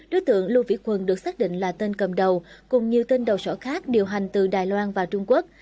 đối tượng lưu vĩ quân được xác định là tên cầm đầu cùng nhiều tên đầu sở khác điều hành từ đài loan và trung quốc